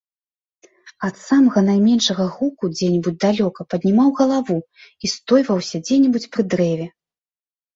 Ад самага найменшага гуку дзе-небудзь далёка паднімаў галаву і стойваўся дзе-небудзь пры дрэве.